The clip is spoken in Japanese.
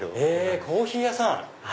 コーヒー屋さん！